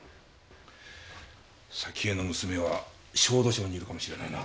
沙希江の娘は小豆島にいるのかもしれないな。